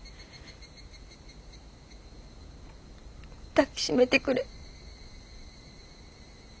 抱き締めてくれ。